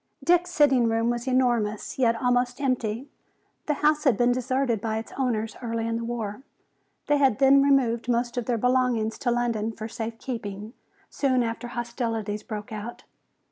Dick's sitting room was enormous, yet almost empty. The house had been deserted by its owners early in the war. They had then removed most of their belongings to London for safe keeping, soon after hostilities broke out.